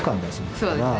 そうですね。